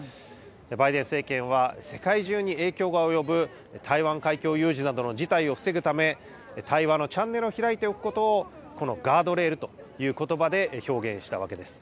バイデン政権は、世界中に影響が及ぶ台湾海峡有事などの事態を防ぐため、対話のチャンネルを開いておくことを、このガードレールということばで表現したわけです。